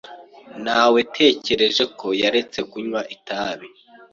Nawetekereje ko yaretse kunywa itabi.